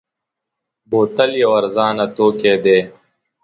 بوتل یو ارزانه توکی دی.